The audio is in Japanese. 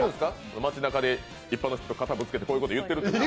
街中で一般の人の肩にぶつけてこういうこと言ってるんですか？